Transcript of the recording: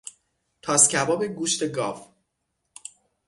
تاسکباب گوشت گاو